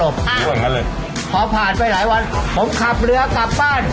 พอผ่านไปหลายวันผมขับเรือกลับบ้าน